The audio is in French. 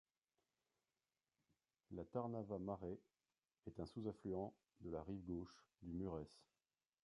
La Târnava Mare est un sous-affluent de la rive gauche du Mureș.